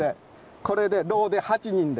これで櫓で８人で。